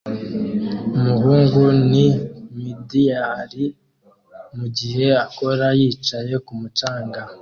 Umuhungu ni midair mugihe akora yicaye kumu canga